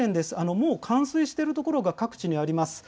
もう冠水している所、各地にあります。